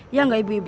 iya gak ibu ibu